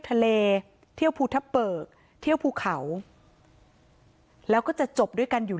เที่ยวภูทะเปิกเที่ยวภูเขาแล้วก็จะจบด้วยกันอยู่